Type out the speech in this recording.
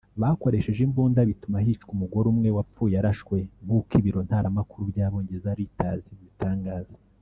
bakoresheje imbunda bituma hicwa umugore umwe wapfuye arashwe nk’uko ibiro ntaramakuru by’Abongereza Reuters bibitangaza